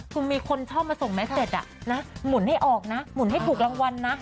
คุณมีคนชอบมาส่งแมสเต็ดอ่ะนะหมุนให้ออกนะหมุนให้ถูกรางวัลนะ